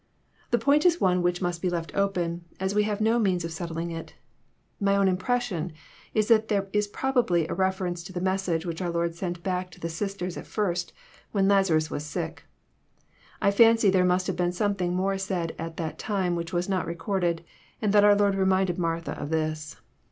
The point is one which must be left open, as we have no means of settling it. My own impression is that there is probably a reference to the message which our Lord sent back to the sis ters at first, when Lazarus was sick. I fancy there must have been something more said at that time which is not recorded, and that our Lord reminded Martha of this.